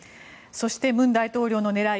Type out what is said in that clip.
そして、文大統領の狙い。